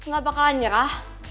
gak bakalan nyerah